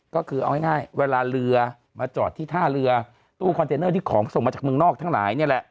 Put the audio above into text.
ก็คือเอาง่ายเวลาเรือมาจอดที่ท่าเรือตู้คอนเทนเนอร์ที่ของส่งมาจากเมืองนอกทั้งหลายนี่แหละ